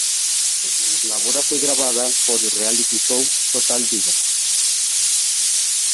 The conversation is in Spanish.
La boda fue grabada por el "reality show" "Total Divas".